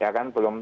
ya kan belum